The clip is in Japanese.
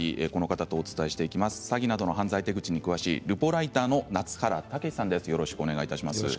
詐欺などの犯罪手口に詳しいルポライターの夏原武さんです。